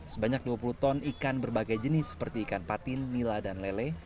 sebanyak dua puluh ton ikan berbagai jenis seperti ikan patin nila dan lele